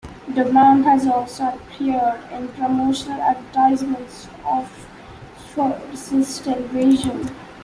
Doman has also appeared in promotional advertisements for Versus television.